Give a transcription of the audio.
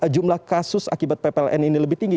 jumlah kasus akibat ppln ini lebih tinggi